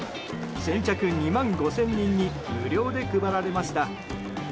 先着２万５０００人に無料で配られました。